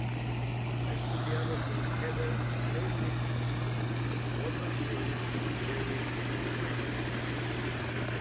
Ha estudiado con Heather Slade-Lipkin, Gordon Green y Derrick Wyndham.